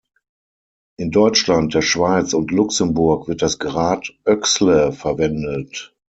In Deutschland, der Schweiz und Luxemburg wird das Grad Oechsle verwendet.